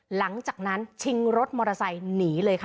หลังจากนั้นชิงรถมอเตอร์ไซค์หนีเลยค่ะ